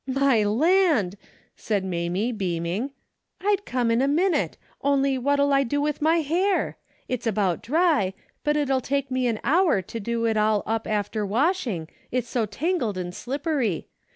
" My land !" said Mamie, beaming, " I'd come in a minute, only what'll I do with my hair ? It's about dry, but it'll take me an hour to do it all up after washing, it's so tangled and slippery.